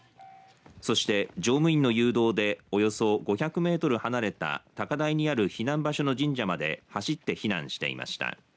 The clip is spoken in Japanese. そして、乗務員の誘導でおよそ５００メートル離れた高台にある避難場所の神社まで走って避難していました。